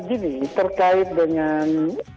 gini terkait dengan